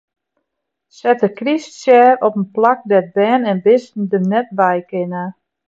Set de kryststjer op in plak dêr't bern en bisten der net by kinne.